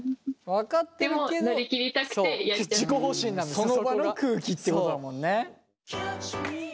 その場の空気ってことだもんね。